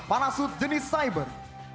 parasut jenis cyber